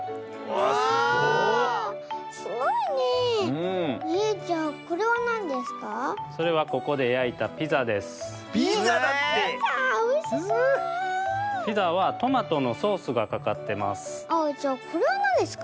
あっじゃあこれはなんですか？